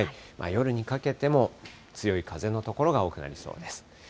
夜にかけても強い風の所が多くなりそうです。